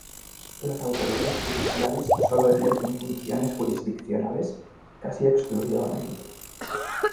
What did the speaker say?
Las autoridades judiciales solo ejercen funciones jurisdiccionales, casi exclusivamente.